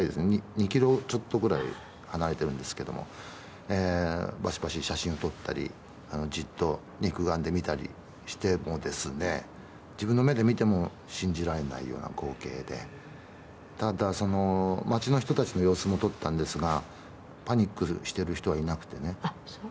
２ｋｍちょっとぐらい離れているんですけれどもバシバシ写真を撮ったりじっと肉眼で見たりしても自分の目で見ても信じられないような光景でただ、その街の人たちの様子も撮ったんですがパニックしている人はいなくてね。